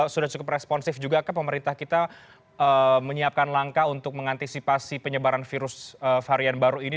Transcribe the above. sudah cukup responsif juga pemerintah kita menyiapkan langkah untuk mengantisipasi penyebaran virus varian baru ini